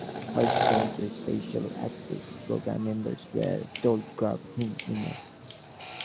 Hersh claims the special access program members were told Grab whom you must.